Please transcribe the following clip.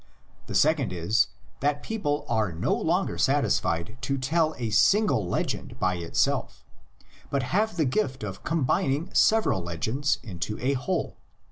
The second is, that people are no longer satisfied to tell a single legend by itself, but have the gift of com bining several legends into a whole.